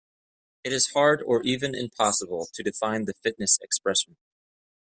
It is hard or even impossible to define the fitness expression.